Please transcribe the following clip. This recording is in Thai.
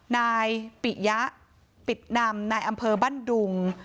นายปิยะปิดนำนายอำเภอบ้านดุง